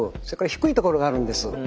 それから低い所があるんです。